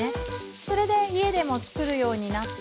それで家でも作るようになって。